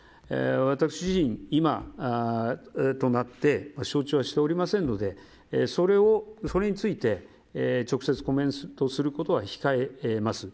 私自身、今となって承知はしておりませんのでそれについて直接コメントすることは控えます。